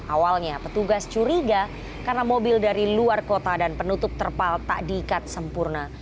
awalnya petugas curiga karena mobil dari luar kota dan penutup terpal tak diikat sempurna